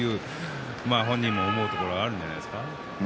本人も思うところはあるんじゃないですか。